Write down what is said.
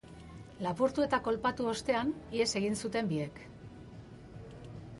Lapurtu eta kolpatu ostean, ihes egin zuten biek.